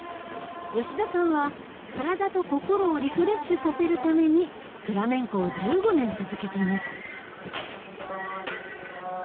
吉田さんは体と心をリフレッシュさせるためにフラメンコを１５年続けています。